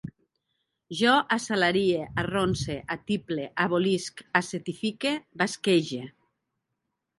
Jo assalarie, arronse, atiple, abolisc, acetifique, basquege